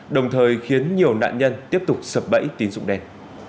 đồng thời khiến nhiều nạn nhân tiếp tục sập bẫy tín dụng đen